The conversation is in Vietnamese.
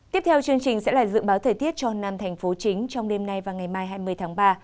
tiếp theo chương trình sẽ là dự báo thời tiết cho năm thành phố chính trong đêm nay và ngày mai hai mươi tháng ba